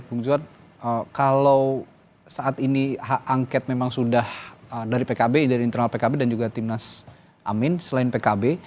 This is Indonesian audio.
bung johar kalau saat ini hak angket memang sudah dari pkb dari internal pkb dan juga timnas amin selain pkb